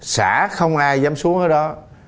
xã không ai dám xuống ở đó